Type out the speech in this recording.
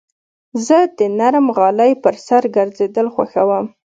زه د نرم غالۍ پر سر ګرځېدل خوښوم.